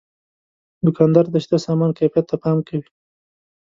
دوکاندار د شته سامان کیفیت ته پام کوي.